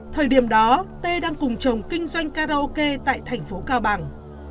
thời điểm đó tê đang cùng trồng kinh doanh karaoke tại thành phố cao bằng